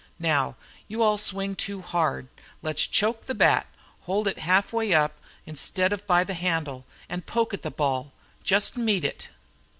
Now, you all swing too hard. Let's choke the bat, hold it half way up instead of by the handle, and poke at the ball. Just meet it."